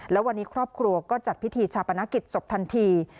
และวันนี้ครอบครัวก็จัดพิธีชาปนกิจศพทันที